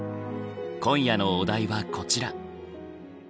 今夜のお題はこちら。